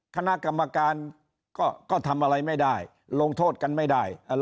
คณะกรรมการก็ทำอะไรไม่ได้ลงโทษกันไม่ได้